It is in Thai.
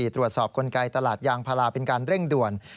ตรวจสอบกลไกตลาดยางพลาเป็นการเร่งด่วน